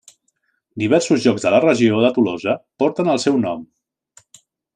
Diversos llocs de la regió de Tolosa porten el seu nom.